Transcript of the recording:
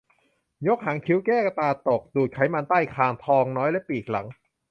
ยกหางคิ้ว แก้ตาตก ดูดไขมันใต้คาง ท้องน้อย และปีกหลัง